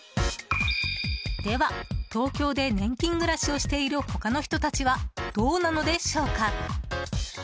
では、東京で年金暮らしをしている他の人たちはどうなのでしょうか？